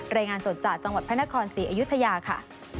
รายงานสดจากจังหวัดพระนครศรีอยุธยาค่ะ